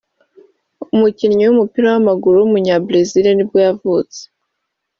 umukinnyi w’umupira w’amaguru w’umunyabrazil nibwo yavutse